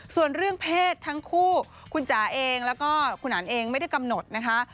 ส่วนเรื่องเพศทั้งคู่คุณจ๋าเองแล้วก็คุณอันเองไม่ได้กำหนดนะคะ